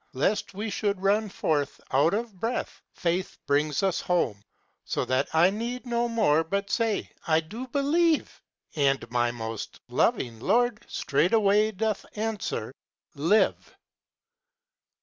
Lest we should run for't out of breath, Faith brings us home; So that I need no more but say " I do believe". And my most loving Lord straightway Doth answer, "Live!"